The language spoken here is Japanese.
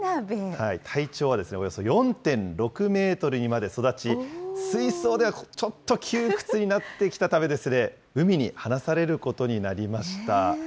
体長はおよそ４．６メートルにまで育ち、水槽でちょっと窮屈になってきたため、海に放されることになりました。